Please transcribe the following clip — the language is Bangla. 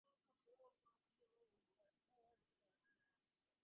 এখন আর না গেলেও কিছু হবেনা।